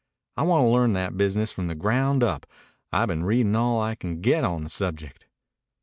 "I want to learn that business from the ground up. I've been reading all I could get on the subject."